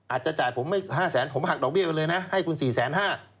อาจจะจ่ายผม๕แสนผมหักดอกเบี้ยไปเลยนะให้คุณ๔แสน๕